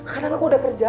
kadang aku udah kerja